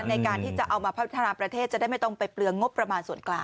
ในการที่จะเอามาพัฒนาประเทศจะได้ไม่ต้องไปเปลืองงบประมาณส่วนกลาง